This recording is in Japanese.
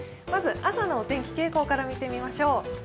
まず朝のお天気傾向から見てみましょう。